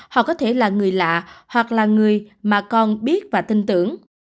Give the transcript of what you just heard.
hoặc có thể là người lạ hoặc là người mà con biết và tin tưởng